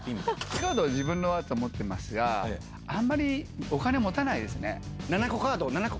カードは自分のやつ、持ってますが、あんまりお金持たないですね。